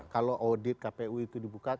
kalau audit kpu itu dibuka